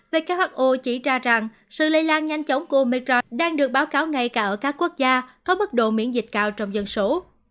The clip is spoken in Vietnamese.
who chỉ ra rằng sự lây lan nhanh chóng của metro đang được báo cáo ngay cả ở các quốc gia có mức độ miễn dịch cao trong dân số